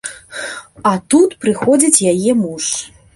А тут прыходзіць яе муж.